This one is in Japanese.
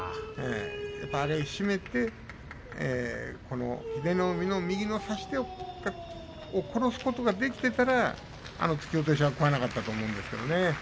あれは締めて英乃海の右の差し手を殺すことができていたらあの突き落としは食わなかったと思うんですけどね。